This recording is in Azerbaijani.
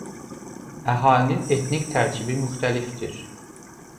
Əhalinin etnik tərkibi müxtəlifdir.